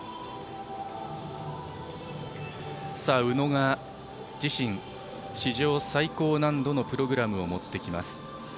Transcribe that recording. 宇野が自身史上最高難度のプログラムを持ってきます。